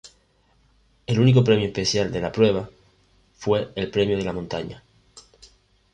El único premio especial de la prueba, fue el Premio de la montaña.